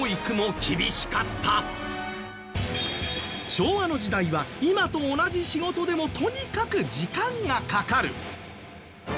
昭和の時代は今と同じ仕事でもとにかく時間がかかる。